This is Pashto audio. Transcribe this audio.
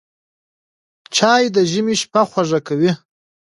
چای د ژمي شپه خوږه کوي